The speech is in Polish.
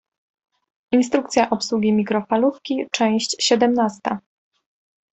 Instrukcja obsługi mikrofalówki, część siedemnasta.